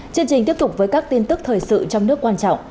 chương trình tiếp tục với các tin tức thời sự trong nước quan trọng